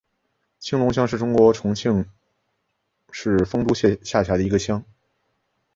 青龙乡是中国重庆市丰都县下辖的一个乡。